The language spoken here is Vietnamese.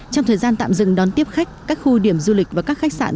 trong thời gian tạm dừng đón tiếp khách các khu điểm du lịch và các khách sạn